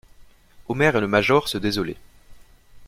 Omer et le major se désolaient.